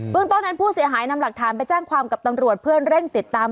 ต้นนั้นผู้เสียหายนำหลักฐานไปแจ้งความกับตำรวจเพื่อเร่งติดตาม